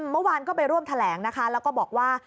เมื่อวานก็ไปร่วมแถลงนะคะแล้วก็บอกว่า